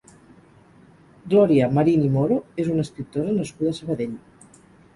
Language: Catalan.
Glòria Marín i Moro és una escriptora nascuda a Sabadell.